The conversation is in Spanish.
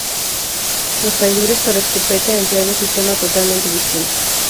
Los calibres para escopeta emplean un sistema totalmente distinto.